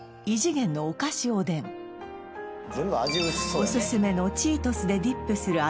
おすすめのチートスでディップする味